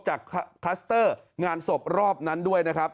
คลัสเตอร์งานศพรอบนั้นด้วยนะครับ